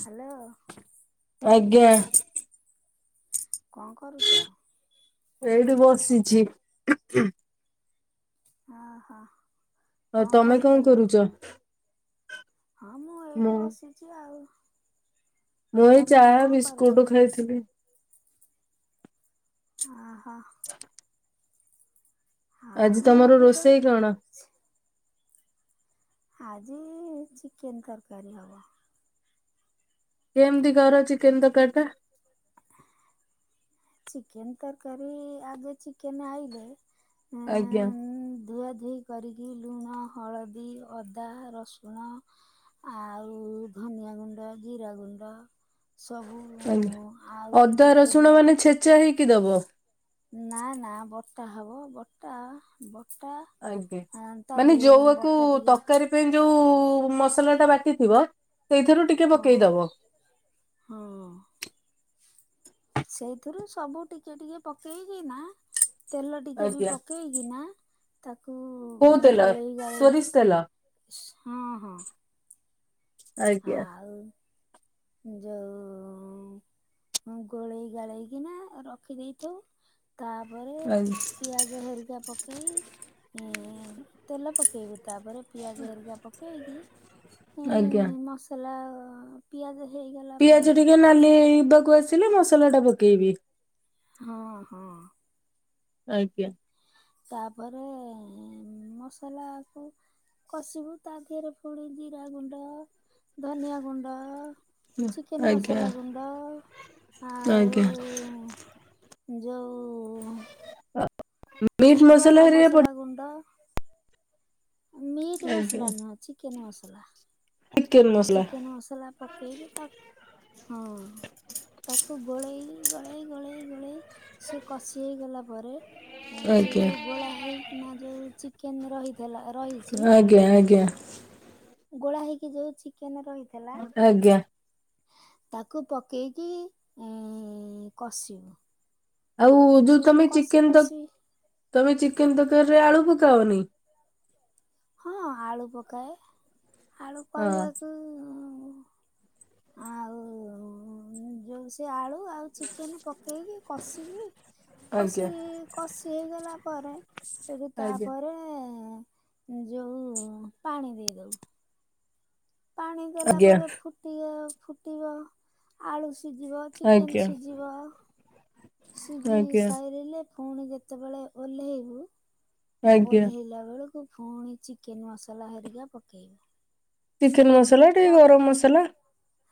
Hello ଆଜ୍ଞା। କଁ କରୁଚ? ଏଇଠି ବସିଚି। ଓହୋ, ଆଉ କଁ ତମେ କଣ ଖାଇଥିଲ? କରୁଛ? ହଁ, ମୁଁ ଏଇଠି ବସିଛି ଆଉ। ମୁଁ ଏଇ ତମର ଚାହା କଣ କରୁଛ? ବିସ୍କୁଟ ଖାଇଥିଲି। ଅ ହ। ହଁ ଆଜି ମୁଁ ତମର ବି ସେଇ ରୋଷେଇ କଣ? ଆଜି ଚିକେନ୍ ତରକାରୀ ହବ। କେମିତି କର ଚିକେନ୍ ତରକାରୀ ଟା? ଚିକେନ ତରକାରୀ ଆଗେ ଚିକେନ୍ ଆଇଲେ ଆଜ୍ଞା ହଁ ଧୁଆ ଧୋଇ କରିକି ଲୁଣ, ହଳଦୀ, ଅଦା, ରସୁଣ ଆଉ ଧନିଆ ଗୁଣ୍ଡ, ଜିରା ଗୁଣ୍ଡ। ସବୁ ଆଉ ଟିକେ ତେଲ, ଚା ହେଇକି ଦବ। ନା ନା ବଟା ହବ ବଟା ବଟା ଆଜ୍ଞା! ତା ମାନେ ଦେହ ଯଉଆକୁ ବଟା ଟିକେ ତରକାରୀ ସେଥି ପାଇଁ ଯୋଉ ମସଲା ଟା ବାଟିଥିବ ସେଇଥିରୁ ଟି ହଁ। ହଁ, ସେଇଥିରୁ ସବୁ ଟିକେ ଟିକେ ପକେଇକି ନା ତେଲ ଟିକେ ବି ଆଜ୍ଞା ପକେଇକିନା ତାକୁ କୋଉ ତେଲ ଗୋଳେଇ ଗାଳେଇ ସୋରିଷ ତେଲ ହଁ। ହଁ। ଆଜ୍ଞା ଆଉ ଯୋଉ ଉ ଗୋଳେଇ ଗାଳେଇକିନା ରଖିଦେଇେଥିବୁ। ତାପରେ ଆଜ୍ଞା। ପିଆଜ ହେରିକା ପକେଇ ତେଲ ପକେଇକି ତାପରେ ପିଆଜ ହେରିକା ପକେଇକି ଆଜ୍ଞା। ଏଇ ମସଲା ପିଆଜ ହେଇଗଲା ପିଆଜ ପରେ ଟିକେ ନାଲି ହେଇବାକୁ ଆସିଲେ ମସଲାଟା ପକେଇବି। ହଁ। ହଁ। ଆଜ୍ଞା। ତାପରେ ମସଲାକୁ କଷିବୁ ତା ଧେରେ ପୁଣି ଜିରାଗୁଣ୍ଡ, ଧନିଆ ଗୁଣ୍ଡ ଚିକେନ୍ ମସଲା ଆଜ୍ଞା। ଗୁଣ୍ଡ ଆଉ ଆଜ୍ଞା ଯୋଉ ଉ [unintelligible] ଗରମ ହେରିକା ମସଲା ପଡି ଗୁଣ୍ଡ ମିଟ୍ ଆଜ୍ଞା। ମସଲା ନୁହଁ ଚିକେନ୍ ମସଲା। ଚିକେନ ମସଲା। ଚିକେନ୍ ମସଲା ପକେଇକି ତା ହଁ। ତାକୁ ଗୋଳେଇ, ଗୋଳେଇ, ଗୋଳେଇ, ଗୋଳେଇ ସିଏ କଷି ହେଇଗଲା ପରେ ସେ ଆଜ୍ଞା ଯୋଉ ଗୋଳା ହେଇକିନା ଯୋଉ ଚିକେନ୍ ରହିଥିଲା ରହିଚି ଅଜ୍ଞା। ଆଜ୍ଞା। ଗୋଳା ହେଇକି ଯୋଉ ଚିକେନ୍ ରହିଥେଲା ଆଜ୍ଞା। ତାକୁ ପକେଇକି ଏଁ କଷିବୁ। ଆଉ ଯୋଉ ସେଇଠୁ ତମେ କଷି ଚିକେନ୍ ତ କଷି ତମେ ଚିକେନ୍ ତରକାରୀରେ ଆଳୁ ପକାଅନି? ହଁ ଆଳୁ ପକାଏ, ଆଳୁ ହଁ କହିଆକୁ ଆଉ ଯୋଉ ସେ ଆଳୁ ଆଉ ଚିକେନ୍ ପକେଇକି କଷିକି ଆଜ୍ଞା କଷି, କଷି ହେଇଗଲା ପରେ ସେଠୁ ଆଜ୍ଞା ତାପରେ ଯୋଉ ପାଣି ଦେଇଦବୁ। ପାଣି ଦେଲା ଆଜ୍ଞା ପରେ ଫୁଟିଅ ଫୁଟିବ। ଆଳୁ ସିଜିବ ଆଜ୍ଞା ଚିକେନ୍ ସିଜିବ। ସିଜି ଆଜ୍ଞା। ସାରିଲେ ଫୁଣି ଯେତେବେଳେ ଓହ୍ଲେଇବୁ ଆଜ୍ଞା ଓହ୍ଲେଇଲା ବେଳକୁ ଫୁଣି ଚିକେନ୍ ମସଲା ହେରିକା ପକେଇବୁ। ଚିକେନ୍ ମସଲା ଟିକେ ଗରମ୍ ମସଲା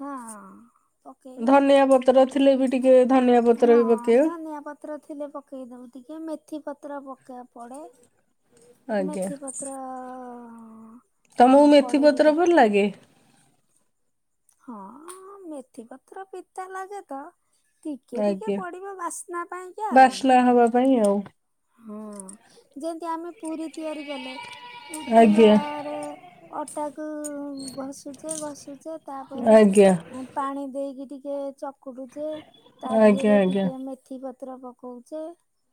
ହଁ-ହଁ। ଧନିଆ ପତ୍ର ଥିଲେ ବି ଟିକେ ଧନିଆ ହଁ ପତ୍ର ବି ପକେଇବ। ଧନିଆ ପତ୍ର ଥିଲେ ପକେଇଦବୁ ଟିକେ ମେଥି ପତ୍ର ପକେଇବା ପଡେ। ଆଜ୍ଞା। ମେଥି ପତ୍ର ତମକୁ ହଁ ପଡ଼େ ବି ମେଥିପତ୍ର ଟିକେ ଭଲ ଲାଗେ? ହଁ ମେଥି ପତ୍ର ପିତା ଲାଗେ ତ। ଟିକେ-ଟିକେ ଆଜ୍ଞା। ପଡିବ ବାସ୍ନା ପାଇଁକା ଆଉ। [unintelligible] ହବା ପାଇଁ ଆଉ। ହଁ ଯେମତି ଆମେ ପୁରୀ ତିଆରି କଲେ ଆଜ୍ଞା ତେଲରେ ଅଟାକୁ ଘଷୁଚେ ଘଷୁଚେ ଆଜ୍ଞା ତାପରେ ପାଣି ଦେଇକି ଟିକେ ଚକୁଟୁଚି ତା ଆଜ୍ଞା ଧିଏରେ ଆଜ୍ଞା। ଟିକେ ମେଥି ପ ତ୍ର ପକଉଚେ।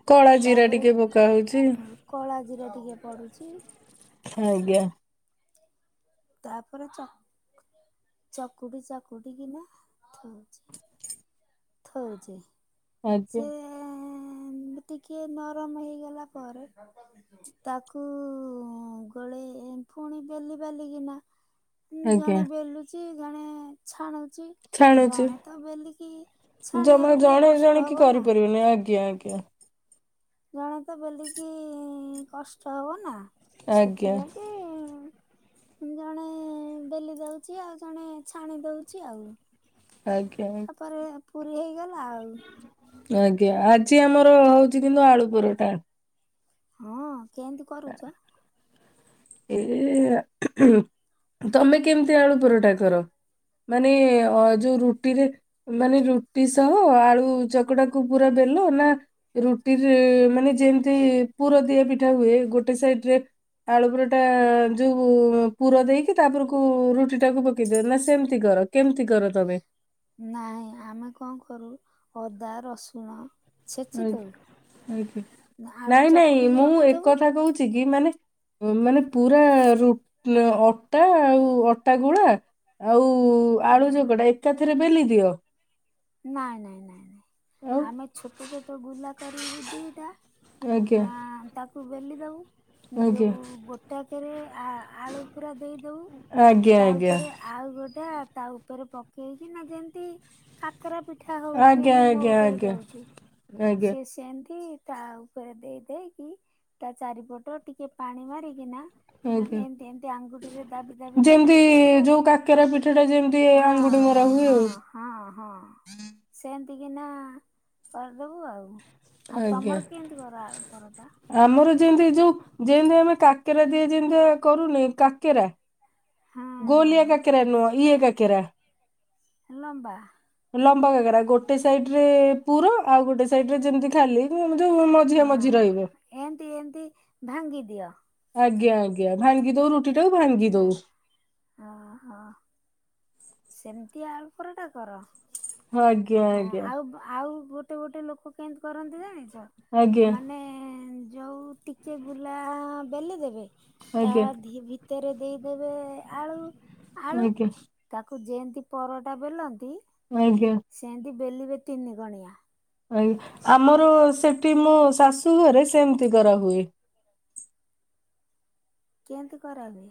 କଳା ଜିରା ଟିକେ ପକା ହଉଚି। କଳା ଜିରା ଟିକେ ପଡ଼ୁଚି। ଆଜ୍ଞା। ତାପରେ ଚକୁଟି ଚାକୁଟିିକିନା ଥଉଚେ। ଥୋଉଚେ ଆଜ୍ଞା। ସେ ଟିକେ ନରମ ହେଇଗଲା ପରେ ତାକୁ ଗୋଳେ ପୁଣି ବେଲି ବାଲିିକିନା ଆଜ୍ଞା ଜଣେ ବେଲୁଛି ଜଣେ ଛାଣୁଛି ଛାଣୁଛି ଜଣେ ତ ବେଲିକି ଜମା ଛାଣିବାକୁ ଟିକେ ଜଣେ କଷ୍ଟ ଜଣେ କି ହବ ନା କରିପାରିବେନି ଆଜ୍ଞା ଆଜ୍ଞା ଜଣେ ତ ବେଲିକି କଷ୍ଟ ହବ ନା ଆଜ୍ଞା ସେଥିଲାାଗି ଜଣେ ବେଲି ଦଉଛି ଆଉ ଜଣେ ଛାଣି ଦଉଛି ଆଉ ଆଜ୍ଞା ତାପରେ ପୁରୀ ହେଇଗଲା ଆଉ ଆଜ୍ଞା ଆଜି ଆମର ହଉଛି କିନ୍ତୁ ଆଳୁ ପରଟା ହଁ କେମିତି କରୁଛ ଏ ତମେ କେମିତି ଆଳୁ ପରଟା କର ମାନେ ଅ ଯୋଉ ରୁଟିରେ ମାନେ ରୁଟି ସହ ଆଳୁ ଚକଟାକୁ ପୁରା ବେଲ ନା ରୁଟିରେ ମାନେ ଯେମିତି ପୁର ଦିଆ ପିଠା ହୁଏ ଗୋଟେ ସାଇଡ ରେ ଆଳୁବୁର ତ ଯୋଉ ପୁର ଦେଇକି ତାପରକୁ ରୁଟି ଟାକୁ ପକେଇଦିଅ ନା ସେମିତି କର କେମିତି କର ତମେ ନାହିଁ ଆମେ କଣ କରୁ ଅଦା ରସୁଣ ଛେଚି ଆା ଦଉ ଆଞା ଆଳୁ ନାଇଁ ନାଇଁ ଚକୁଟିକି ମୁଁ ରଖିଥବୁ ଏକଥା କହୁଛି କି ମାନେ ମାନେ ପୁରା ର ଅଟା ଆଉ ଅଟା ଗୁଳା ଆଉ ଆଳୁ ଚକଟା ଏକାଥରେ ବେଲି ଦିଅ ନାଇଁ ନାଇଁ ନାଇଁ ଆଉ ନାଇଁ ଆମେ ଛୋଟ ଛୋଟ ଗୁଲା କରିବୁ ଦିଟା ଆଜ୍ଞା ଆ ତାକୁ ବେଲି ଦେବୁ ଆଜ୍ଞା ଯେଉଁ ଗୋଟାକରେ ଆ ଆଳୁ ପୁରା ଦେଇଦବୁ ଆଜ୍ଞା ତା ଆଜ୍ଞା ଉପରେ ଆଉ ଗୋଟେ ତା ଉପରେ ପକେଇକିନା ଯେମ୍ତି କାକରା ପିଠା ହଉଚି ଆଜ୍ଞା ଏମିତି ଆଜ୍ଞା ନଉଟେଇ ଆଜ୍ଞା। ଦଉଚୁ ଆଜ୍ଞା ସେଏ ସେମ୍ତି ତା ଉପରେ ଦେଇ ଦେଇେଇକି ତା ଚାରିପଟ ଟିକେ ପାଣି ମାରିକିନା ନ ଆଜ୍ଞା ଏନ୍ନ୍ତି ଏନ୍ତି ଅଙ୍ଗୁଟିରେ ଦାବି ଦାବି ଦେଲେ ଯେମିତି ସିଏ ପୁରା ଯୋଉ କାକେରା ପିଠା ଟା ଯେମିତି ଆଙ୍ଗୁଠି ମରା ହୁଏ ହଁ ଆଉ ହଁ! ହଁ ସେମ୍ତିକିନା କରିଦେବୁ ଆଉ। ଆଉ ଆଜ୍ଞା ତମର କେମିତି କର ଆଳୁ ପରଟା? ଆମର ଯେମିତି ଯୋଉ ଯେଏଁତି ଆମେ କାକେରା ଦିଏ ଯେମିତି କରୁନି କାକେରା। ହଁ ଗୋଲିଆ ହଁ କାକରା ନୁହଁ ଇଏ କାକେରା। ଲମ୍ବା। ଲମ୍ବା କାକରା ଗୋଟେ ସାଇଡରେ ପୁର ଆଉ ଗୋଟେ ସାଇଡରେ ଯେମିତି ଖାଲି ମୁଁ ଯଉ [unintelligible] ହଁ। ଏମ୍ତି ଏମ୍ତି ଭାଙ୍ଗିଦିଅ। ଆଜ୍ଞା ଆଜ୍ଞା ଭାଙ୍ଗି ଦଉ ରୁଟିଟାକୁ ଭାଙ୍ଗି ଦଉ। ଓ ହ। ସେମ୍ତି ଆଳୁ ପରଟା କର! ହଁ ଆଜ୍ଞା ହଁ ଆଜ୍ଞା। ଆଉ ଆଉ ଗୋଟେ ଗୋଟେ ଲୋକ କେମ୍ତି କରନ୍ତି ଜାଣିଚ ଆଜ୍ଞା। ମାନେ ଯୋଉ ଟିକେ ବୁଲା ବେଲି ଦେବେ ତା ଆଜ୍ଞା ଦିହି ଭିତ୍ ତରେ ଦେଇଦେବେ ଆଳୁ ଆଳୁ। ଆଜ୍ଞା ତାକୁ ଯେମତି ପରଟା ବେଲନ୍ତି [unintelligible] ସେମିତି ବେଲିବେ ତିନି କଣିଆ। ଆଜ୍ଞା ଆମର ସେଠି ମୋ ଶାଶୁ ଘରେ ସେମିତି କରା ହୁଏ। କେମ୍ତି କରା ହୁଏ?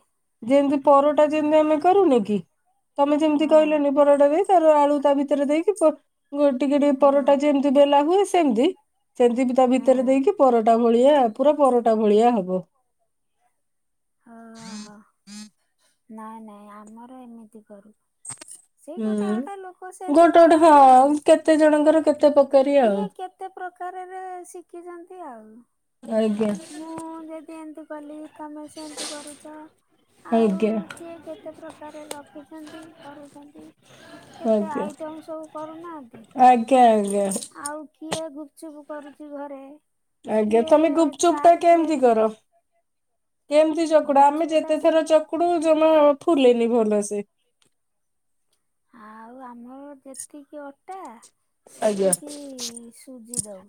ଯେମ୍ତି ପରଟା ଯେମତି ଆମେ କରୁନି କି ତମେ ଯେମ୍ତି ହଁ କହିଲନି ପରଟାରେ ତାର ଆଳୁ ତା ଭିତରେ ଦେଇକି ପ ଟିକେ ଟିକେ ହଁ ପରଟା ଯେମ୍ତି ବେଲା ହୁଏ ସେମ୍ତି। ସେମ୍ତି ବି ତା ଭିତରେ ହଁ ଦେଇକି ପରଟା ଭଳିଆ ପୁରା ପରଟା ଭଳିଆ ହେବ। ହଁ ହଁ! ନାଇଁ ନାଇଁ ଆମର ଏମିତି କରୁ। ସେଇ ଗୋଟେ ହୁଁ ଗୋଟେ ଲୋକ ସେମତି ଗୋଟେ ଗୋଟେ କରନ୍ତି ହଁ ଆଉ। କେତେ ଜଣଙ୍କର କେତେ କ କିଏ କେତେ ପ୍ରକାରରେ ଶିଖିଚନ୍ତି ଆଉ। ଆଜ୍ଞା। ମୁଁ ଯଦି ଏମିତି କଲି ତମେ ସେମିତି କରୁଚ ଆଉ ଆଜ୍ଞା କିଏ କେତେ ପ୍ରକାରରେ ରଖିଛନ୍ତି କରୁଚନ୍ତି। କେତେ ଆଜ୍ଞା ଆଇଟମ୍ ସବୁ କରୁନାହାନ୍ତି ଆଜ୍ଞା ଆଜ୍ଞା। ଆଉ କିଏ ଗୁପଚୁପ୍ କରୁଚି ଘରେ। ଆଜ୍ଞା। କିଏ ତମେ ଗୁପଚୁପ ଟା ଚାଟ କେମିତି ତିଆରି କର? କେମତି ଚକୁଡ ଆମେ ଗୁପଚୁପ ଟା ଯେତେ ଥର ଚକୁଡୁ ଜମା ଫୁଲେନି ଭଲସେ। ଆଉ ଆମର ଯେତିକି ଅଟା ଆଜ୍ଞା ସେତିକି ସୁଜି ଦଉ।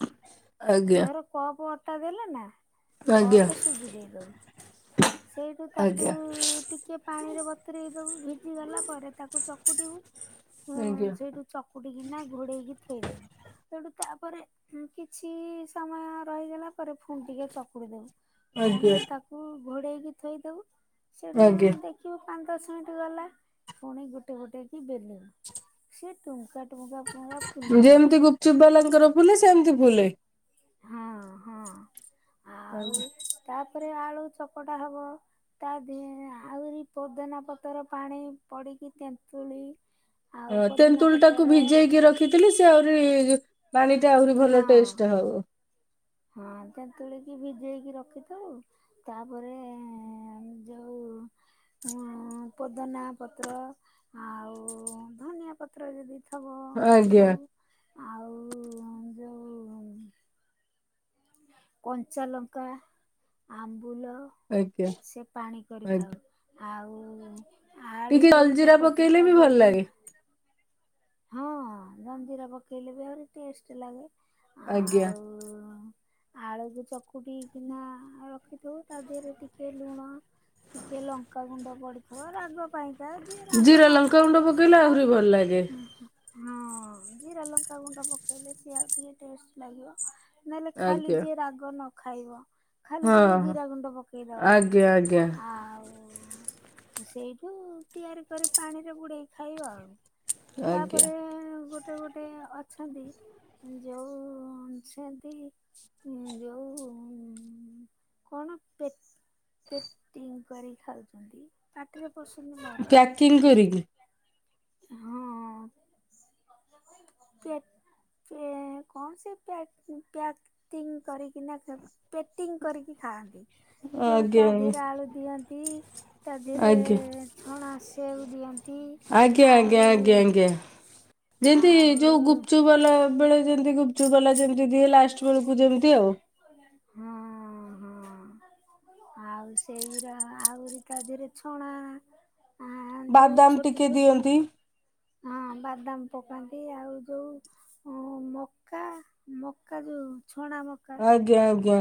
ଆଜ୍ଞା ଧର କପ ଅଟା ଦେଲେ ନା ଆଜ୍ଞା କପେ ସୁଜି ଦେଇଦଉ। ସେଇଠୁ ତାକୁ ଆଜ୍ଞା ଟିକ୍ ଟିକେ ପାଣିରେ ବତରେଇ ଦବୁ। ଭିଜି ଗଲା ପରେ ତାକୁ ଚକୁଟିବୁ ଉମ୍ ଆଜ୍ଞା। ସେଇଠୁ ଚକୁଟିକିନା ଘୋଡେଇକି ଥୋଇଦବୁ। ସେଇଠୁ ତାପରେ କିଛି ସମୟ ରହିଗଲା। ତା ପରେ ପୁଣି ଟିକେ ଚକୁଡି ଦେବୁ, ପୁଣି ଆଜ୍ଞା ତାକୁ ଘୋଡେଇକି ଥୋଇଦବୁ। ସେଉଠୁ ଆଜ୍ଞା ଦେ ଦେଖିବୁ ପାଞ୍ଚ ଦଶ ମିନିଟ ଗଲା ପୁଣି ଗୋଟେ ଗୋଟେ କି ବେଲିବୁ ସେ ଟୁଙ୍କା ଟୁଙ୍କା ଟୁଙ୍କା ଫୁଲିଯିବ। ଯେମିତି ଗୁପଚୁପ୍ ବାଲାଙ୍କର ଫୁଲେ ସେମିତି ଫୁଲେ। ହଁ, ହଁ। ଆଉ ଆଜ୍ଞା। ତାପରେ ଆଳୁ ଚକଟା ହବ। ତା ଦିହ ଆହୁରି ପୋଦିନା ପତ୍ର ପାଣି ପଡ଼ିକି ତେନ୍ତୁଳି। ଆଉ ହ ପୋଦିନା ତେନ୍ତୁଲ ଟାକୁ ପତର ଭିଜେଇକି ରଖି ରଖିଥିଲି ସେ ଆହୁରି ପାଣିଟା ଆହୁରି ହଁ ଭଲ ଟେଷ୍ଟ ହବ। ହଁ ତେନ୍ତୁଳିକି ଭିଜେଇକି ରଖିଥାଉ। ତାପରେ ଯୋଉଁ ଉ ପୋଦନା ପତ୍ର ଆଉ ଧନିଆ ପତ୍ର ଯଦି ଥବ ପକଉ ଆଜ୍ଞା ଆଉ ଯୋଉ କଞ୍ଚା ଲଙ୍କା, ଆମ୍ବୁଲ। ଆଜ୍ଞା ସେ ପାଣି ଆଜ୍ଞା। କରିଥାଉ ଆଉ ଆଳୁ ଟିକେ ଯଉ ଜଲଜିରା ଚକଟୁ ପକେଇଲେ ତା ବି ଦିହ ଭଲ ରେ ଲାଗେ। ହଁ ଜଲଜିରା ପକେଇଲେ ବି ଆହୁରି ଟେଷ୍ଟ ଲାଗେ। ଆଜ୍ଞା ଆଉ ଆଳୁକୁ ଚକୁଟି କିିନା ରଖିଥିବୁ, ତା ଦେହରେ ଟିକେ ଲୁଣ। ଟିକେ ଲଙ୍କାଗୁଣ୍ଡ ପଡିଥିବ ରାଗ ପାଇଁକା, ଯିଏ ରାଗ ଜିରା ନ ଲଙ୍କାଗୁଣ୍ଡ ଖାଇବ ସିଏ ପକେଇଲେ ଆହୁରି ଖାଏ। ଭଲ ଲାଗେ ହଁ ଜିରା ଲଙ୍କା ଗୁଣ୍ଡ ପକେଇଲେ ସିଏ ଆଉ ଟିକେ ଟେଷ୍ଟ ଲାଗିବ। ନହେଲେ ଖାଲି ଆଜ୍ଞା ଯିଏ ରାଗ ନ ଖାଇବ। ଖାଲି ହଁ ଟିକେ ହଁ। ଜିରା ଗୁଣ୍ଡ ଆଜ୍ଞା ଆଜ୍ଞା ପକେଇଦବ ଆଉ ସେଇଠୁ ତିଆରି କରି ପାଣିରେ ବୁଡେଇକି ଖାଇବ ଆଉ। ଆଜ୍ଞା ତାପରେ ଗୋ ଗୋଟେ ଗୋଟେ ଅଛନ୍ତି ଯୋଉ ସେମିତି। ଯୋଉ କଣ ପେଟ ପେଟିଙ୍ଗ କରି ଖାଉଛନ୍ତି ପାଟିରେ ପସୁନି ମୋର। କିଙ୍ଗ କରିକି। ହଁ କେ କଣ ସେ ପ୍ୟାକ ପ୍ୟାକ କରିକିନା ପେଟିଙ୍ଗ କରିକି ଖାଆନ୍ତି ଯୋଉ ଆଜ୍ଞା ତା ଆଜ୍ଞା ଦିହରେ ଆଳୁ ଦିଅନ୍ତି ତା ଦେହରେ ଆଜ୍ଞା ଛଣା ଆସିବାକୁ ଦିଅନ୍ତି ଆଜ୍ଞା ଆଉ ଆଜ୍ଞା ଆଜ୍ଞା ଆଜ୍ଞା ଯେମତି ଆଉ ଯୋଉ ଗୁପଚୁବାଲା ବେଳେ ଯେମିତି ଗୁପଚୁବାଲା ଯେମିତି ଯଦି ଲାଷ୍ଟ ବେଳକୁ ଯେମିତି ଆଉ ହଁ ହଁ ଆଉ ସେଇ ଗୁରା ଆହୁରି ତା ଦେହରେ ଛଣା ଆ ଯୋଉ ବାଦାମ ଛୋଟ ଟିକେ ଛୋଟ ଦିଅନ୍ତି ହଁ ବାଦାମ ପକାନ୍ତି ଆଉ ଯୋଉ ଓ ମକା ମକା ଯୋଉ ଛଣା ମକା ଆଜ୍ଞା ଆଜ୍ଞା।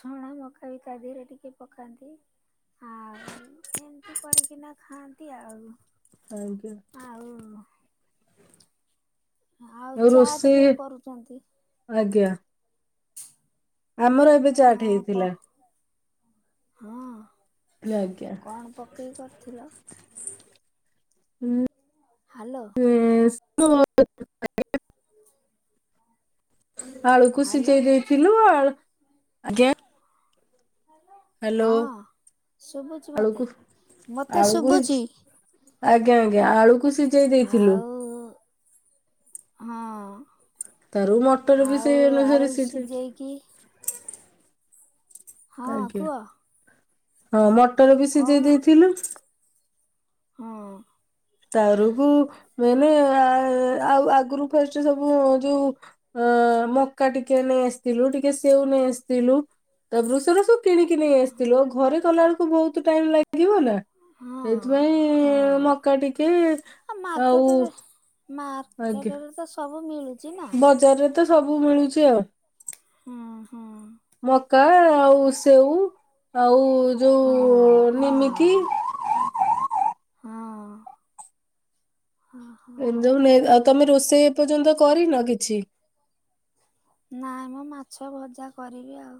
ଛଣା ମକା ବି ତା ଦିହରେ ଟିକେ ପକାନ୍ତି। ହଁ। ଏମତି ପରିକିନା ଖାଆନ୍ତି ଆଉ। ଆଜ୍ଞା। ଆଉ ଆଉ ଚାଟ ଯୋଉ କରୁଚନ୍ତି। ଆଜ୍ଞା। ଆମର ଏବେ ଚାଟ ହଁ କହ ହେଇଥିଲା ହଁ। କହିଲି ଆଜ୍ଞା। କଣ ପକେଇ କରିଥିଲ? ହୁଁ। ହାଲୋ। [unintelligible] [inaudible] ଆଳୁକୁ ହ୍ୟାଲୋ ସିଜେଇ ଦେଇଥିଲୁ ଆଳୁ ଆଜ୍ଞା। ହାଲୋ ହଁ ଶୁଭୁଛି ମତେ। ଆଳୁକୁ ମତେ ଆଳୁକୁ ଶୁଭୁଛି ଆଜ୍ଞା ଆଜ୍ଞା ଆଳୁକୁ ସି ଆଉ ହଁ। ତାରୁ ମଟର ବି ସେଇ ଅନୁସାରେ ସିଜୁଚି। କିଏ? ହଁ ଆଜ୍ଞା କୁହ। ହଁ ମଟର ବି ସିଜେଇ କହୁନ ଦେଇଥିଲୁ। ହଁ। ତା ପରକୁ ମାନେ ଆ ଆଉ ଆଗରୁ ଫାଷ୍ଟ ସବୁ ଯୋଉ ଅ ମକା ଟିକେ ନେଇଆସିଥିଲୁ ଟିକେ ସେଉ ନେଇ ଆସିଥିଲୁ ତାପରୁ ସେରା ସବୁ କିଣିକି ନେଇ ଆସିଥିଲୁ ଆଉ ଘରେ କଲା ବେଳକୁ ବହୁତ ଟାଇମ୍ ଲାଗିବ ନା ହଁ ସେଇଥିପାଇଁ ହଁ ମକା ଟିକେ ଆଉ ଆଜ୍ଞା ମାର୍କେଟ ରେ ତ ସବୁ ମିଳୁ ବଜାରରେ ତ ସବୁ ମିଳୁଚି ଆଉ। ହଁ ହଁ। ମକା ଆଉ ସେଉ ଆଉ ହଁ ଯୋଉ ହଁ ନୀମିକି ହଁ ହଁ। ହଁ ଏ ଯୋଉ ନେଇ ଆଉ ତମେ ରୋଷେଇ ଏ ପର୍ଯ୍ୟନ୍ତ କରିନ କିଛି? ନା ମ ମାଛ ଭଜା କରିବି ଆଉ।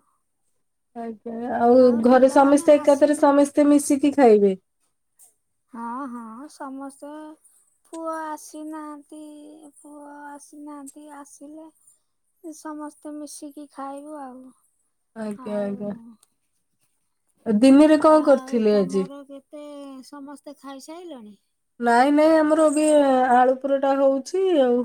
ଆଉ ଘେ ଆଉ ଘରେ ପିଲାମାନେ ସମସ୍ତେ ଆସି ଏକାଥରେ ସମସ୍ତେ ମିଶିକି ଖାଇବେ। ହଁ ହଁ ସମସ୍ତେ। ପୁଅ ଆସିନାହାନ୍ତି ପୁଅ ଆସିନାହାନ୍ତି ଆସିଲେ ସମସ୍ତେ ମିଶିକି ଖାଇବୁ ଆଉ। ଆଜ୍ଞା ଆଉ ଆଜ୍ଞା। ଆଉ ଦିନରେ କଣ ଆଉ କରିଥିଲେ ଆଜି? ତମର କେତେ ସମସ୍ତେ ଖାଇସାଇଲଣି? ନାଇଁ ନାଇଁ ଆମର ଏ ବି ଆଳୁପରଟା ହଉଛି ଆଉ।